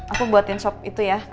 aku buatin sop itu ya